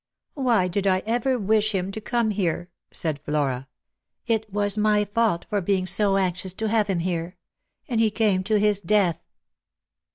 " Why did I ever wish him to come here !" said Flora. " It was my fault for being so anxious to have him here. And he came to his death